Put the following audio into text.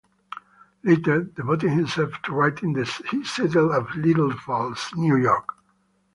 Later, devoting himself to writing, he settled at Little Falls, N. Y.